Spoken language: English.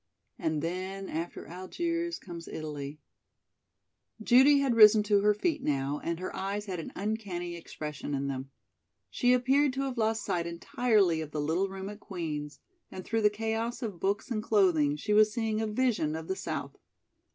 And then, after Algiers, comes Italy " Judy had risen to her feet now, and her eyes had an uncanny expression in them. She appeared to have lost sight entirely of the little room at Queen's, and through the chaos of books and clothing, she was seeing a vision of the South.